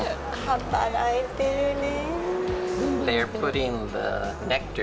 働いてるね！